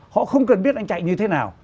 họ không cần biết anh chạy như thế nào